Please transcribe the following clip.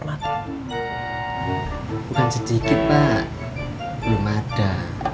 bukan sedikit pak belum ada